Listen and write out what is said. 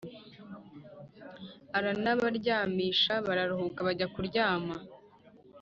aranabaryamisha, bararuhuka bajya kuryama